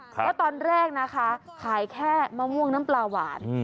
เพราะตอนแรกนะคะขายแค่มะม่วงน้ำปลาหวาน